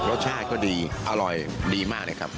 รสชาติก็ดีอร่อยดีมากเลยครับ